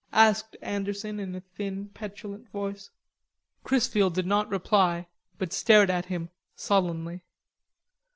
asked Anderson in a thin petulant voice. Chrisfield did not reply but stared at him sullenly.